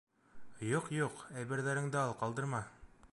— Юҡ, юҡ, әйберҙәреңде ал, ҡалдырма.